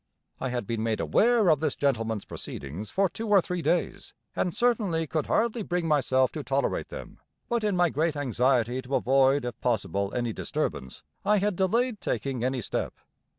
I had been made aware of this Gentleman's proceedings for two or three days, and certainly could hardly bring myself to tolerate them, but in my great anxiety to avoid if possible any disturbance, I had delayed taking any step.